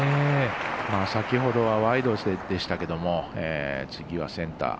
先ほどはワイドへでしたけど次はセンター。